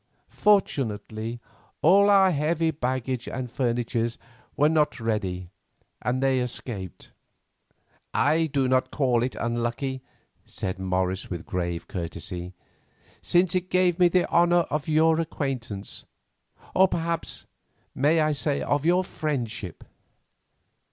Fortunately, all our heavy baggage and furniture were not ready, and escaped." "I do not call it unlucky," said Morris with grave courtesy, "since it gave me the honour of your acquaintance; or perhaps I may say of your friendship."